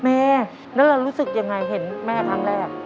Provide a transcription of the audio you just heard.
แม่แล้วเรารู้สึกยังไงเห็นแม่ครั้งแรก